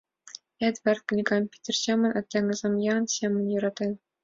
Эдвард книгам Питер семын, а теҥызым Ян семын йӧратен.